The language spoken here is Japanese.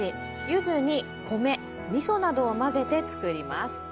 ゆずに米、味噌などを混ぜて作ります。